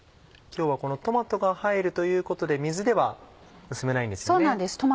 今日はこのトマトが入るということで水では薄めないんですよね？